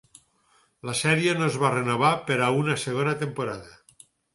La sèrie no es va renovar per a una segona temporada.